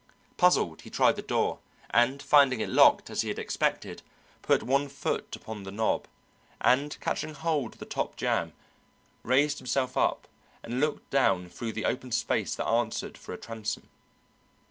Puzzled, he tried the door and, finding it locked, as he had expected, put one foot upon the knob and, catching hold of the top jamb, raised himself up and looked down through the open space that answered for a transom.